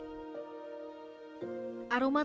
aroma tak berbeda tapi menarik